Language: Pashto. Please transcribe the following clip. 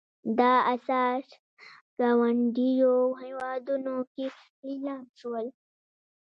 دا اثار ګاونډیو هېوادونو کې لیلام شول.